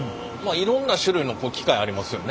いろんな種類の機械ありますよね。